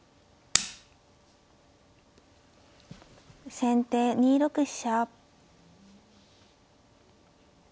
先手２六飛車。